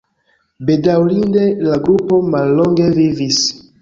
Bedaŭrinde la grupo mallonge vivis.